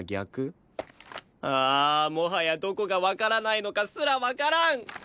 ああもはやどこがわからないのかすらわからん！